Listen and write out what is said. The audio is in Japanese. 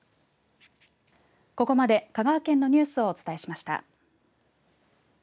ここまで香川県のニュースをお伝えしました。